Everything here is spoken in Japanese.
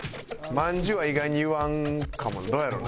まんじゅうは意外に言わんかもどうやろうな？